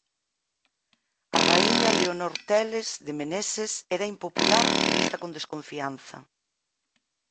A raíña Leonor Teles de Meneses era impopular e vista con desconfianza.